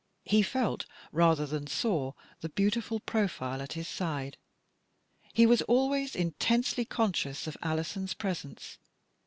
He felt, rather than saw, the beautiful profile at his side. He was always intensely con scious of Alison's presence.